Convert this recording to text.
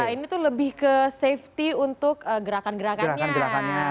ini tuh lebih ke safety untuk gerakan gerakannya